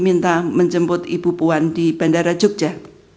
minta menjemput ibu puan di bandara jogja